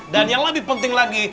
dan yang lebih penting lagi